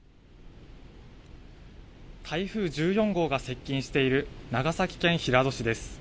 台風１４号が接近している長崎県平戸市です。